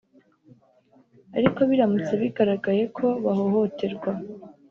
ariko biramutse bigaragaye ko bahohoterwa